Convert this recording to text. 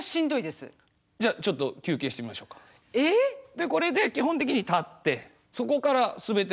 でこれで基本的に立ってそこから全ての物事が始まる。